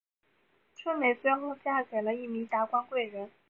春梅最后嫁给了一名达官贵人。